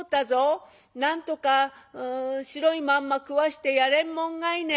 なんとか白いまんま食わしてやれんもんがいね。